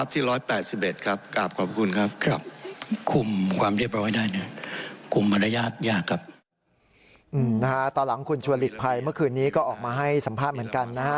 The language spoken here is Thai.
ตอนหลังคุณชวนหลีกภัยเมื่อคืนนี้ก็ออกมาให้สัมภาษณ์เหมือนกันนะฮะ